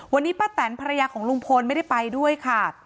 วันนี้ป้าแตนภรรยาของลุงพลไม่ได้ไปด้วยค่ะ